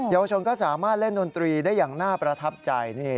ยาวชนก็สามารถเล่นดนตรีได้อย่างน่าประทับใจ